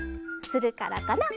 するからかな？